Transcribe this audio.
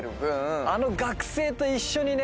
あの学生と一緒にね